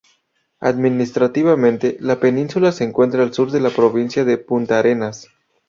Administrativamente, la península se encuentra al sur de la provincia de Puntarenas.